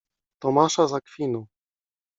Tomasza z Akwinu.